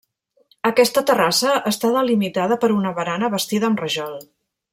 Aquesta terrassa està delimitada per una barana bastida amb rajol.